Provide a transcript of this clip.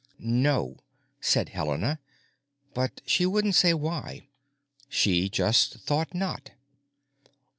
"No," said Helena, but she wouldn't say why. She just thought not.